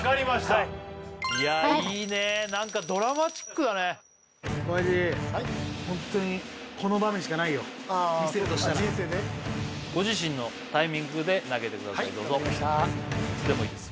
はいいやいいねなんかドラマチックだね親父ホントにこの場面しかないよ見せるとしたら人生でご自身のタイミングで投げてください